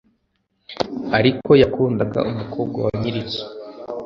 Ariko yakundaga umukobwa wa nyirinzu,